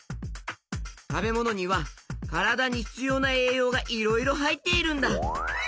たべものにはからだにひつようなえいようがいろいろはいっているんだ。